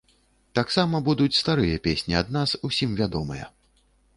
Таксама будуць старыя песні ад нас, усім вядомыя.